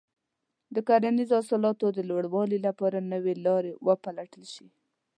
د کرنیزو حاصلاتو د لوړوالي لپاره نوې لارې وپلټل شي.